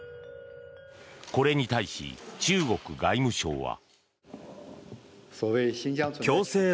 これに対し、中国外務省は。